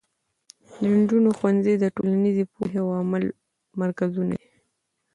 د نجونو ښوونځي د ټولنیزې پوهې او عمل مرکزونه دي.